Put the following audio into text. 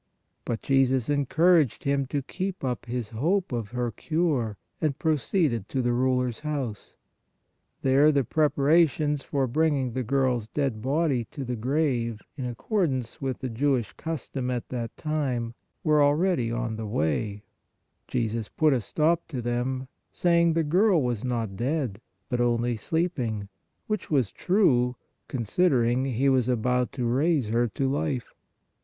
But Jesus encouraged him to keep up his hope of her cure and proceeded to the ruler s house. There the preparations for bringing the girl s dead body to the grave, in accord ance with the Jewish custom at that time, were THE LUNATIC CHILD 99 already on the way ; Jesus put a stop to them, say ing the girl was not dead, but only sleeping, which was true, considering He was about to raise her to life.